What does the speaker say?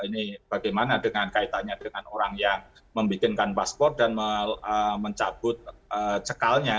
ini bagaimana dengan kaitannya dengan orang yang membuatkan paspor dan mencabut cekalnya